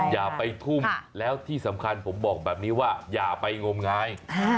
อย่าไปทุ่มแล้วที่สำคัญผมบอกแบบนี้ว่าอย่าไปงมงาย